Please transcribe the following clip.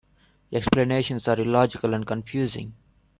Explanations are illogical and confusing.